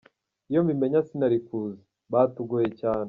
Iyo mbimenya sinari kuza, batugoye cyane.